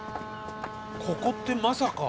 ここってまさか。